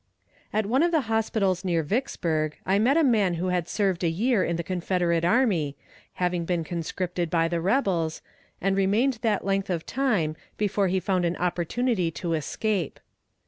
At one of the hospitals near Vicksburg I met a man who had served a year in the Confederate army, having been conscripted by the rebels, and remained that length of time before he found an opportunity to escape.